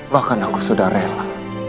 bahkan aku sudah rela